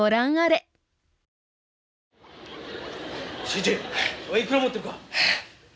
信一お前いくら持ってるか。